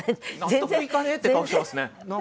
納得いかねえって顔してますね。